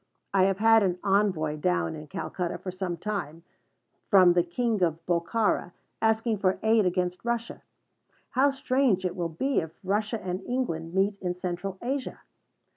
I have had an envoy down in Calcutta for some time, from the King of Bokhara, asking for aid against Russia. How strange it will be if Russia and England meet in Central Asia!